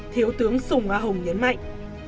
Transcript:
thiếu tướng sùng hoa hồng nhấn mạnh